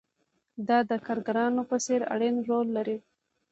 دا د ارګانونو په څېر اړين رول لري.